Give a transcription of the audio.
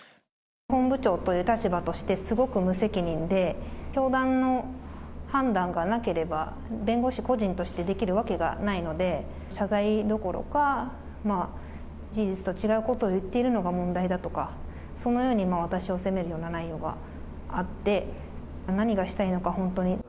本部長という立場としてすごく無責任で、教団の判断がなければ、弁護士個人としてできるわけがないので、謝罪どころか、事実と違うことを言っているのが問題だとか、そのように私を責めるような内容があって、何がしたいのか本当に。